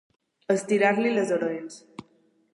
Estirar-li les orelles.